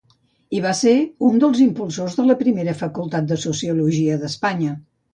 I va ser un dels impulsors de la primera Facultat de Sociologia d'Espanya.